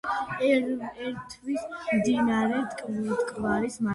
ერთვის მდინარე მტკვარს მარცხნიდან.